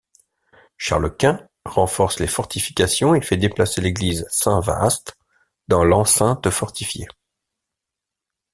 Charles Quint renforce les fortifications et fait déplacer l'église Saint-Vaast dans l'enceinte fortifiée.